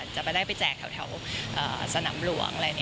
จะไปได้ไปแจกแถวสนามหลวง